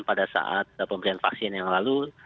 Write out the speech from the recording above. pada saat pemberian vaksin yang lalu